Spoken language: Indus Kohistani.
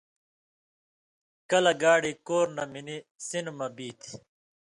کلہۡ گاڑی کور نہ منی سِنہۡ مہ بی تھی۔